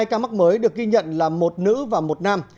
hai ca mắc mới được ghi nhận là một nữ và một nam